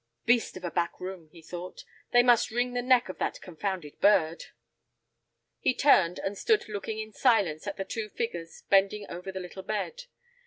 "Beast of a back room," he thought; "they must wring the neck of that confounded bird." He turned, and stood looking in silence at the two figures bending over the little bed.